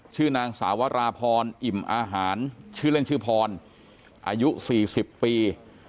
ชื่อนางสาวราพรอิ่มอาหารชื่อเล่นชื่อพรอายุ๔๐ปี